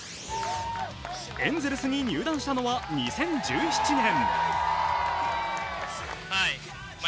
エンゼルスに入団したのは２０１７年。